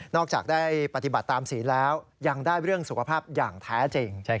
จากได้ปฏิบัติตามศีลแล้วยังได้เรื่องสุขภาพอย่างแท้จริง